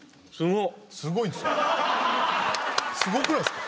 すごくないですか？